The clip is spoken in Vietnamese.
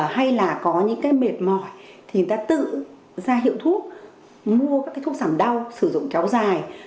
hay là có những cái mệt mỏi thì người ta tự ra hiệu thuốc mua các cái thuốc giảm đau sử dụng kéo dài